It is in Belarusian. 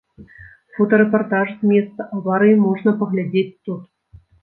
Фотарэпартаж з месца аварыі можна паглядзець тут.